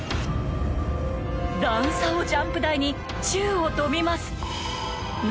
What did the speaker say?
段差をジャンプ台に宙を飛びます